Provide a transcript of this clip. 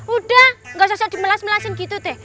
udah gak usah dimelas melasin gitu teh